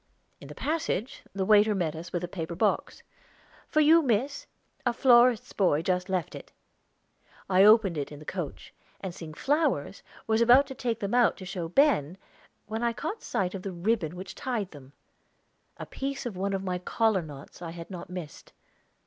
In the passage, the waiter met us with a paper box. "For you, Miss. A florist's boy just left it." I opened it in the coach, and seeing flowers, was about to take them out to show Ben, when I caught sight of the ribbon which tied them a piece of one of my collar knots I had not missed.